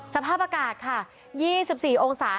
สภาพอากาศค่ะ๒๔องศา